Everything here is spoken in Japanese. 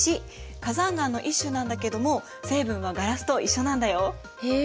火山岩の一種なんだけども成分はガラスと一緒なんだよ。へえ。